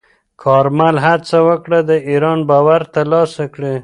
کارمل هڅه وکړه د ایران باور ترلاسه کړي.